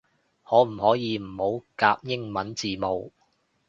可唔可以唔好夾英文字母